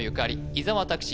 伊沢拓司